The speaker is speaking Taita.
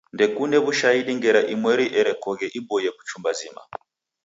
Ndekune w'ushahidi ngera imweri erekoghe iboie kuchumba zima.